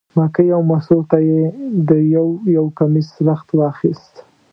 مکۍ او مستو ته یې د یو یو کمیس رخت واخیست.